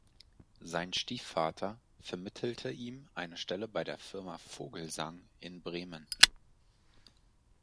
Sein Stiefvater vermittelte ihm eine Stelle bei der Firma Vogelsang in Bremen.